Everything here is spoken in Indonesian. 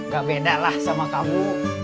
gak beda lah sama kamu